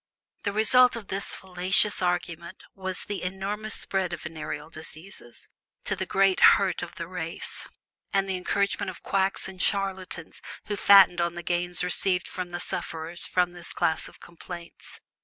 The result of this fallacious argument was the enormous spread of venereal diseases, to the great hurt of the race; and the encouragement of quacks and charlatans who fattened on the gains received from the sufferers from this class of complaints.